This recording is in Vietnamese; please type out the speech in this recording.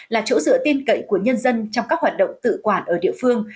là chỗ dựa tin cậy của nhân dân trong các hoạt động tự quản ở địa phương